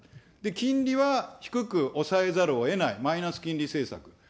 金利は低く抑えざるをえない、マイナス金利政策。